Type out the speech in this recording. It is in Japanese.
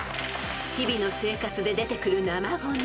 ［日々の生活で出てくる生ごみ］